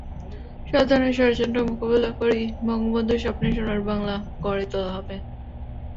সব ধরনের ষড়যন্ত্র মোকাবিলা করেই বঙ্গবন্ধুর স্বপ্নের সোনার বাংলা গড়ে তোলা হবে।